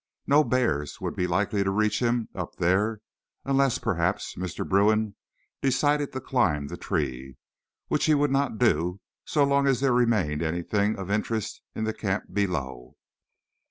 No bears would be likely to reach him up there unless, perhaps, Mr. Bruin decided to climb the tree, which he would not do so long as there remained anything of interest in the camp below.